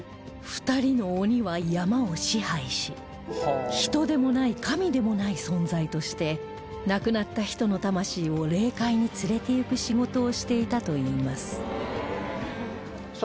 ２人の鬼は山を支配し人でもない神でもない存在として亡くなった人の魂を霊界に連れて行く仕事をしていたといいます